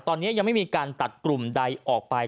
ตอนนี้ยังไม่มีการตัดกลุ่มใดออกไป